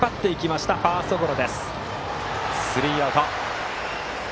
スリーアウト。